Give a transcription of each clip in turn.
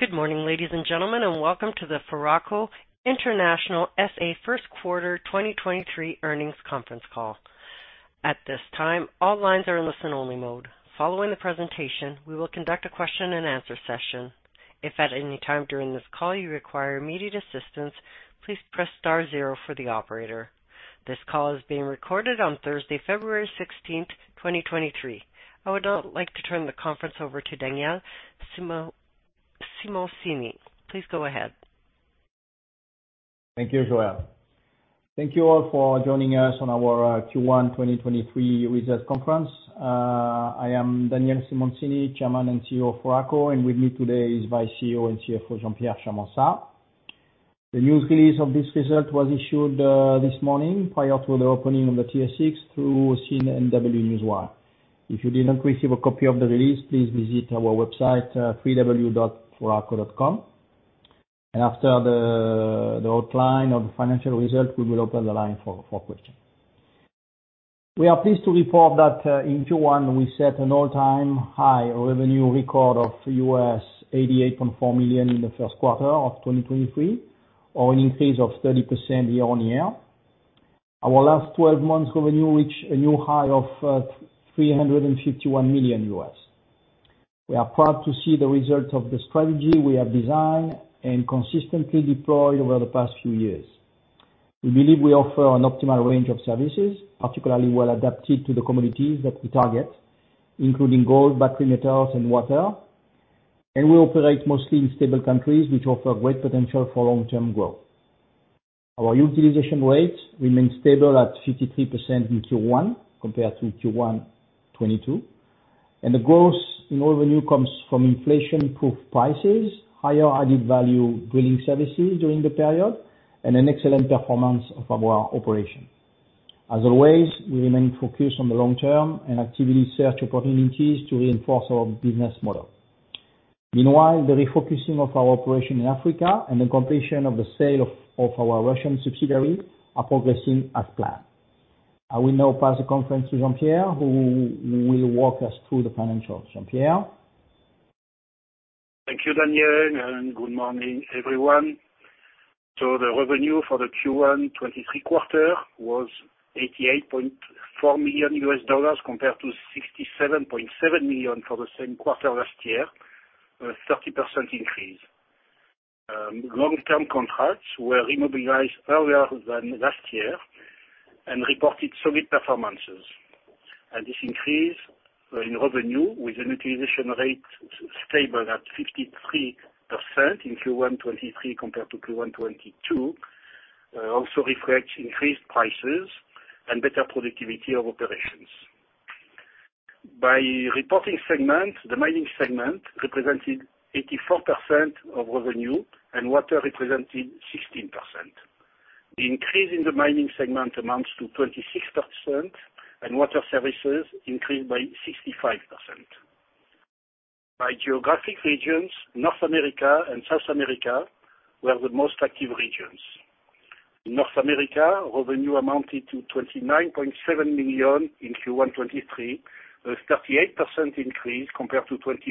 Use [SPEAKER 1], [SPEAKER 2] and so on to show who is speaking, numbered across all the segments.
[SPEAKER 1] Good morning, ladies and gentlemen, welcome to the Foraco International SA 1st Quarter 2023 Earnings Conference Call. At this time, all lines are in listen-only mode. Following the presentation, we will conduct a question and answer session. If at any time during this call you require immediate assistance, please press star zero for the operator. This call is being recorded on Thursday, February 16th, 2023. I would now like to turn the conference over to Daniel Simoncini. Please go ahead.
[SPEAKER 2] Thank you, Joelle. Thank you all for joining us on our Q1 2023 results conference. I am Daniel Simoncini, Chairman and CEO of Foraco, and with me today is Vice CEO and CFO, Jean-Pierre Charmensat. The news release of this result was issued this morning prior to the opening of the TSX through CNW Newswire. If you did not receive a copy of the release, please visit our website, www.foraco.com. After the outline of the financial results, we will open the line for questions. We are pleased to report that in Q1 we set an all-time high revenue record of $88.4 million in the first quarter of 2023, or an increase of 30% year-on-year. Our last 12 months revenue reached a new high of $351 million. We are proud to see the results of the strategy we have designed and consistently deployed over the past few years. We believe we offer an optimal range of services, particularly well adapted to the communities that we target, including gold, battery metals, and water. We operate mostly in stable countries which offer great potential for long-term growth. Our utilization rates remain stable at 53% in Q1 compared to Q1 2022, and the growth in revenue comes from inflation-proof prices, higher added value drilling services during the period, and an excellent performance of our operation. As always, we remain focused on the long term and actively search opportunities to reinforce our business model. Meanwhile, the refocusing of our operation in Africa and the completion of the sale of our Russian subsidiary are progressing as planned. I will now pass the conference to Jean-Pierre, who will walk us through the financials. Jean-Pierre?
[SPEAKER 3] Thank you, Daniel, and good morning, everyone. The revenue for the Q1 2023 quarter was $88.4 million compared to $67.7 million for the same quarter last year, a 30% increase. Long-term contracts were remobilized earlier than last year and reported solid performances. This increase in revenue with an utilization rate stable at 53% in Q1 2023 compared to Q1 2022 also reflects increased prices and better productivity of operations. By reporting segment, the mining segment represented 84% of revenue and water represented 16%. The increase in the mining segment amounts to 26%, and water services increased by 65%. By geographic regions, North America and South America were the most active regions. In North America, revenue amounted to $29.7 million in Q1 2023, with 38% increase compared to $21.6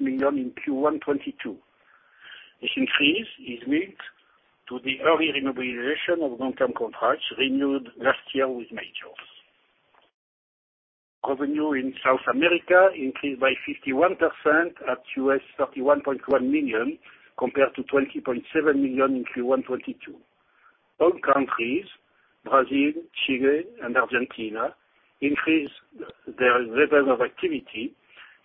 [SPEAKER 3] million in Q1 2022. This increase is linked to the early remobilization of long-term contracts renewed last year with majors. Revenue in South America increased by 51% at $31.1 million, compared to $20.7 million in Q1 2022. All countries, Brazil, Chile, and Argentina, increased their levels of activity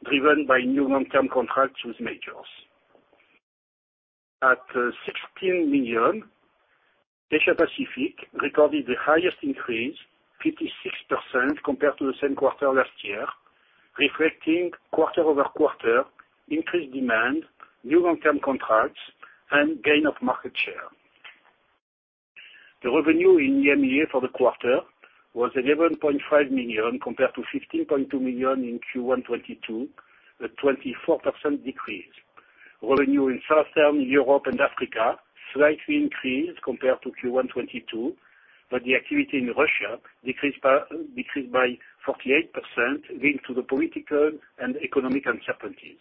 [SPEAKER 3] driven by new long-term contracts with majors. At $16 million, Asia Pacific recorded the highest increase, 56% compared to the same quarter last year, reflecting quarter-over-quarter increased demand, new long-term contracts, and gain of market share. The revenue in EMEA for the quarter was $11.5 million compared to $15.2 million in Q1 2022, a 24% decrease. Revenue in Southern Europe and Africa slightly increased compared to Q1 2022. The activity in Russia decreased by 48% due to the political and economic uncertainties.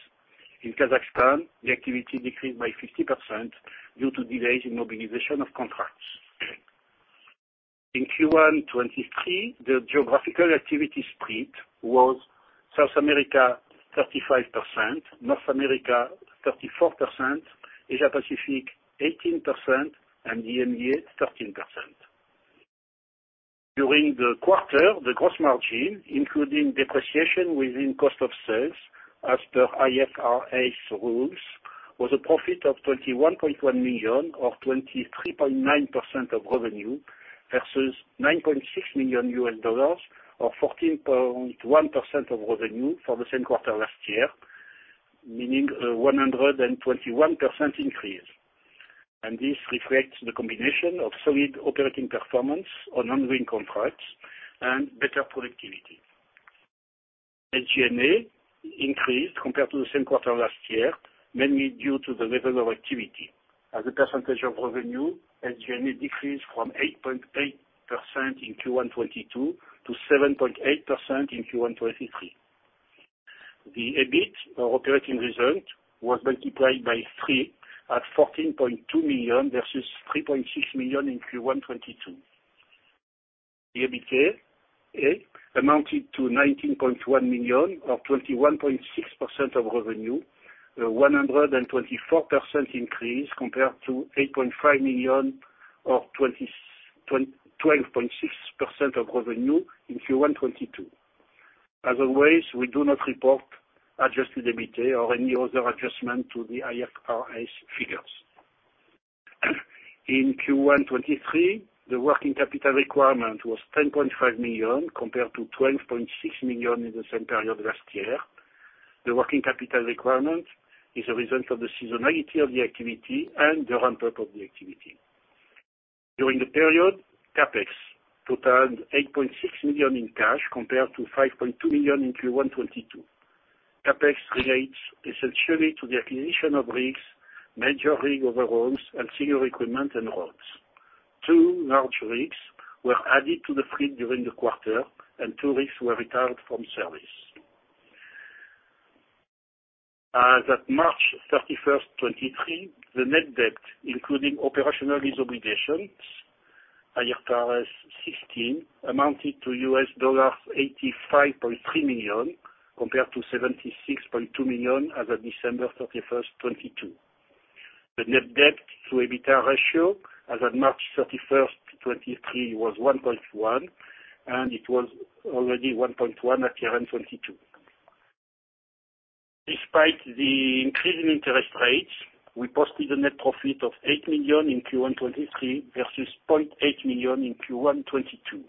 [SPEAKER 3] In Kazakhstan, the activity decreased by 50% due to delays in mobilization of contracts. In Q1 2023, the geographical activity split was South America 35%, North America 34%, Asia Pacific 18%, and EMEA 13%. During the quarter, the gross margin, including depreciation within cost of sales as per IFRS rules, was a profit of $21.1 million or 23.9% of revenue, versus $9.6 million or 14.1% of revenue for the same quarter last year, meaning a 121% increase. This reflects the combination of solid operating performance on ongoing contracts and better productivity. SG&A increased compared to the same quarter last year, mainly due to the level of activity. As a percentage of revenue, SG&A decreased from 8.8% in Q1 2022 to 7.8% in Q1 2023. The EBIT, our operating result, was multiplied by 3 at $14.2 million versus $3.6 million in Q1 2022. The EBITA amounted to $19.1 million, or 21.6% of revenue, a 124% increase compared to $8.5 million or 12.6% of revenue in Q1 2022. As always, we do not report adjusted EBITA or any other adjustment to the IFRS figures. In Q1 2023, the working capital requirement was $10.5 million compared to $12.6 million in the same period last year. The working capital requirement is a result of the seasonality of the activity and the ramp-up of the activity. During the period, CapEx totaled $8.6 million in cash compared to $5.2 million in Q1 2022. CapEx relates essentially to the acquisition of rigs, major rig overhauls and senior equipment and roads. Two large rigs were added to the fleet during the quarter and two rigs were retired from service. As of March 31, 2023, the net debt, including operational lease obligations, IFRS 16, amounted to $85.3 million compared to $76.2 million as of December 31, 2022. The net debt to EBITA ratio as of March 31, 2023 was 1.1, and it was already 1.1 at year-end 2022. Despite the increase in interest rates, we posted a net profit of $8 million in Q1 2023 versus $0.8 million in Q1 2022.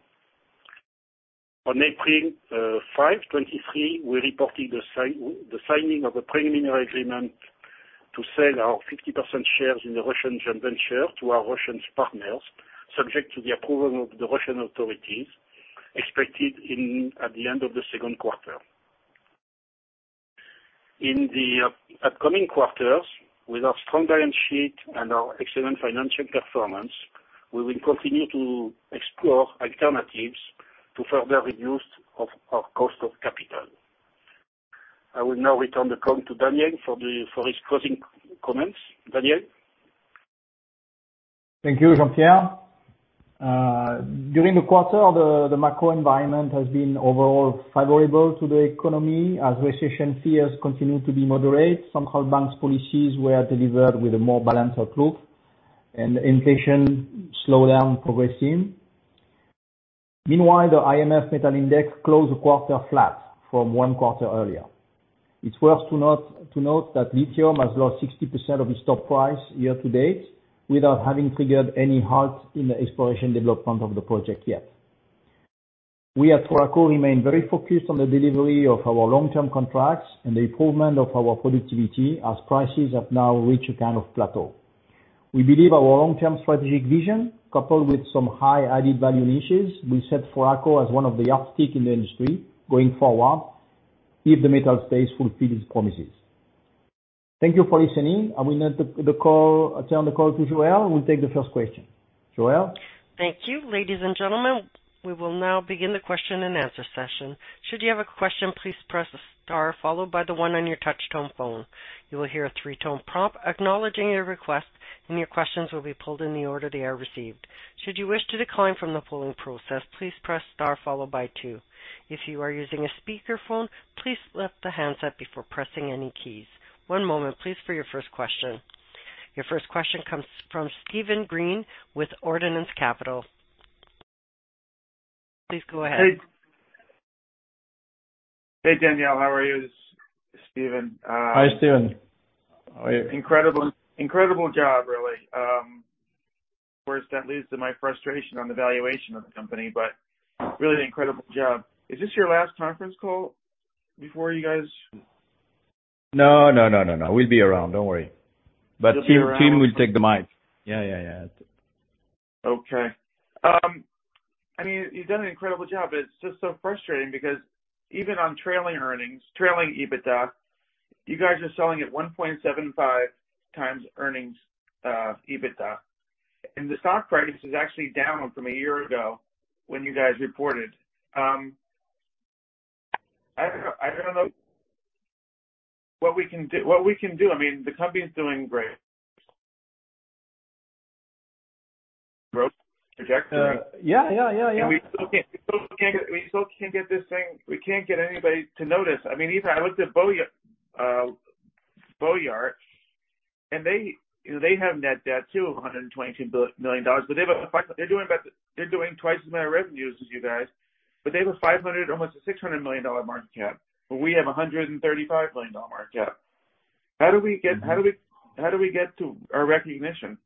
[SPEAKER 3] On April 5, 2023, we reported the signing of a preliminary agreement to sell our 50% shares in the Russian joint venture to our Russian partners, subject to the approval of the Russian authorities, expected at the end of the second quarter. In the upcoming quarters, with our strong balance sheet and our excellent financial performance, we will continue to explore alternatives to further reduce of our cost of capital. I will now return the call to Daniel for his closing comments. Daniel?
[SPEAKER 2] Thank you, Jean-Pierre. During the quarter, the macro environment has been overall favorable to the economy as recession fears continue to be moderate. Some central banks policies were delivered with a more balanced outlook and inflation slowdown progressing. Meanwhile, the IMF metals price index closed the quarter flat from one quarter earlier. It's worth to note that lithium has lost 60% of its stock price year to date without having triggered any halt in the exploration development of the project yet. We at Foraco remain very focused on the delivery of our long-term contracts and the improvement of our productivity as prices have now reached a kind of plateau. We believe our long-term strategic vision, coupled with some high added value niches, will set Foraco as one of the uptick in the industry going forward if the metal space fulfills its promises. Thank you for listening. I will now turn the call to Joelle, who will take the first question. Joelle?
[SPEAKER 1] Thank you. Ladies and gentlemen, we will now begin the question and answer session. Should you have a question, please press star followed by the one on your touch tone phone. You will hear a three-tone prompt acknowledging your request, and your questions will be pulled in the order they are received. Should you wish to decline from the polling process, please press star followed by two. If you are using a speakerphone, please lift the handset before pressing any keys. One moment please for your first question. Your first question comes from Steven Green with Ordinance Capital. Please go ahead.
[SPEAKER 4] Hey. Hey, Daniel. How are you? This is Steven.
[SPEAKER 2] Hi, Steven. How are you?
[SPEAKER 4] Incredible, incredible job, really. of course, that leads to my frustration on the valuation of the company, but really an incredible job. Is this your last conference call before?
[SPEAKER 2] No, no, no. We'll be around. Don't worry.
[SPEAKER 4] You'll be around?
[SPEAKER 2] team will take the mic. Yeah, yeah.
[SPEAKER 4] Okay. I mean, you've done an incredible job, but it's just so frustrating because even on trailing earnings, trailing EBITDA, you guys are selling at 1.75x earnings, EBITDA. The stock price is actually down from a year ago when you guys reported. I don't know what we can do. I mean, the company is doing great. Growth trajectory.
[SPEAKER 2] Yeah, yeah, yeah.
[SPEAKER 4] We still can't get this thing. We can't get anybody to notice. I mean, even I looked at Boart Longyear and they, you know, they have net debt too of $122 million, but they're doing twice the amount of revenues as you guys, but they have a $500 million, almost a $600 million market cap, but we have a $135 million market cap. How do we get to our recognition?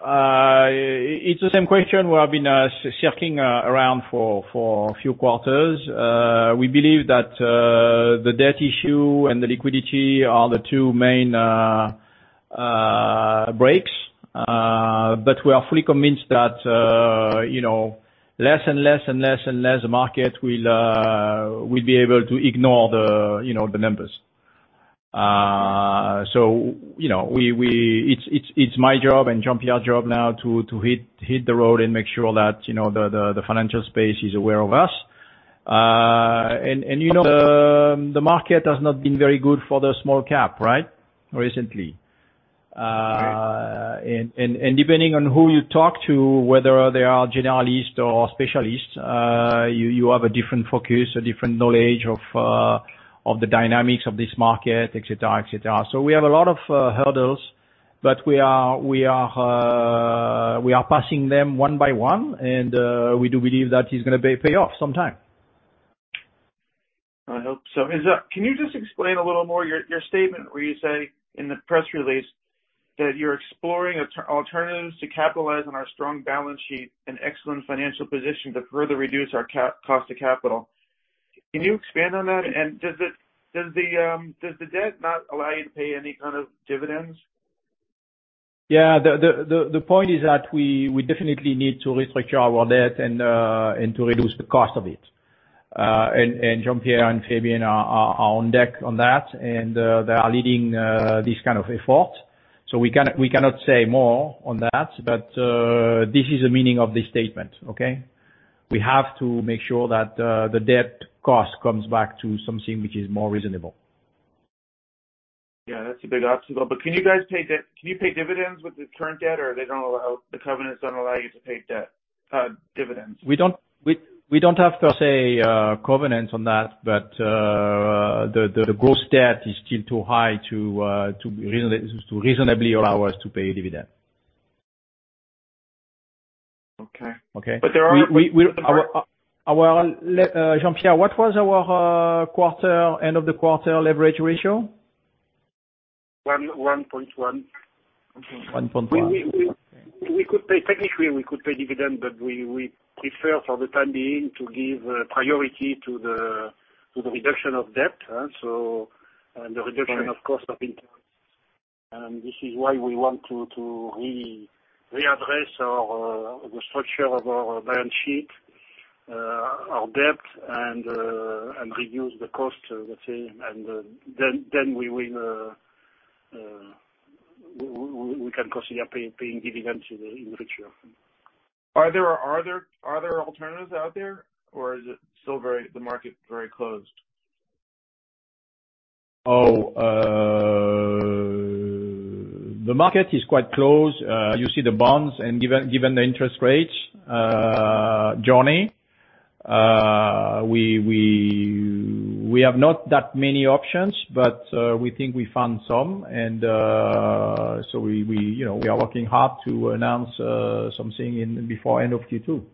[SPEAKER 2] It's the same question we have been circling around for a few quarters. We believe that, the debt issue and the liquidity are the two main breaks. We are fully convinced that, you know, less and less and less and less market will be able to ignore the, you know, the numbers. You know, it's my job and Jean-Pierre job now to hit the road and make sure that, you know, the, the financial space is aware of us. You know, the market has not been very good for the small cap, right? Recently.
[SPEAKER 4] Right.
[SPEAKER 2] Depending on who you talk to, whether they are generalists or specialists, you have a different focus, a different knowledge of the dynamics of this market, et cetera, et cetera. We have a lot of hurdles, but we are passing them one by one, and we do believe that it's gonna be pay off sometime.
[SPEAKER 4] I hope so. Can you just explain a little more your statement where you say in the press release that you're exploring alternatives to capitalize on our strong balance sheet and excellent financial position to further reduce our cost to capital? Can you expand on that? Does the debt not allow you to pay any kind of dividends?
[SPEAKER 2] Yeah. The point is that we definitely need to restructure our debt and to reduce the cost of it. Jean-Pierre and Fabien are on deck on that, and they are leading this kind of effort. We cannot say more on that, but this is the meaning of this statement. Okay? We have to make sure that the debt cost comes back to something which is more reasonable.
[SPEAKER 4] Yeah, that's a big obstacle. Can you guys pay dividends with the current debt, or they don't allow... the covenants don't allow you to pay dividends?
[SPEAKER 2] We don't have per se covenants on that, but the gross debt is still too high to reasonably allow us to pay a dividend.
[SPEAKER 4] Okay.
[SPEAKER 2] Okay?
[SPEAKER 4] But there are-
[SPEAKER 2] Jean-Pierre, what was our quarter, end of the quarter leverage ratio?
[SPEAKER 3] 1.1.
[SPEAKER 2] 1.1.
[SPEAKER 3] We could pay... technically, we could pay dividend, but we prefer for the time being to give priority to the reduction of debt, and the reduction of cost of interest. This is why we want to readdress our the structure of our balance sheet, our debt and reduce the cost, let's say. Then we can consider paying dividends in the future.
[SPEAKER 4] Are there alternatives out there, or is it still very, the market very closed?
[SPEAKER 2] Oh, the market is quite closed. You see the bonds and given the interest rates, Johnny, we have not that many options, but we think we found some. We, you know, we are working hard to announce something in before end of Q2.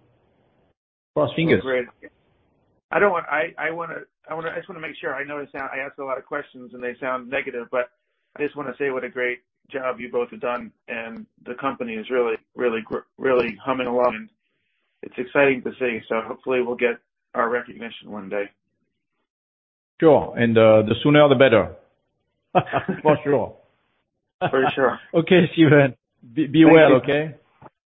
[SPEAKER 2] Cross fingers.
[SPEAKER 4] Great. I wanna, I just wanna make sure. I know I ask a lot of questions and they sound negative, but I just wanna say what a great job you both have done and the company is really humming along. It's exciting to see. Hopefully we'll get our recognition one day.
[SPEAKER 2] Sure. The sooner the better. For sure.
[SPEAKER 4] For sure.
[SPEAKER 2] Okay, Steven. Be well, okay?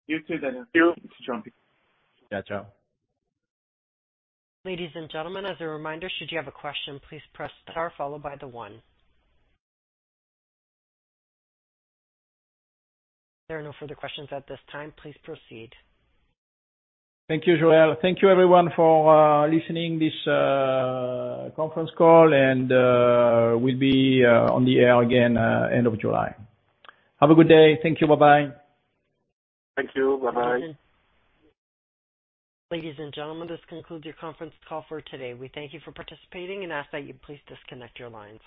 [SPEAKER 4] You too, Daniel. You too, Jean-Pierre.
[SPEAKER 2] Ciao, ciao.
[SPEAKER 1] Ladies and gentlemen, as a reminder, should you have a question, please press star followed by the one. There are no further questions at this time. Please proceed.
[SPEAKER 2] Thank you, Joelle. Thank you everyone for listening this conference call, and we'll be on the air again end of July. Have a good day. Thank you. Bye-bye.
[SPEAKER 3] Thank you. Bye-bye.
[SPEAKER 1] Ladies and gentlemen, this concludes your conference call for today. We thank you for participating and ask that you please disconnect your lines.